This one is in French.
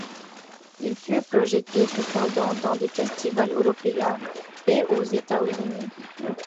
Il fut projeté cependant dans des festivals européens et aux États-Unis.